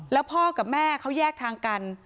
แล้วพ่อกับแม่เขาแยกทางกัน